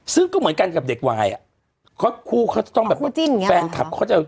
ซึ่งก็เหมือนกันกับเด็กวายเขาคู่เขาจะต้องแบบแฟนคับ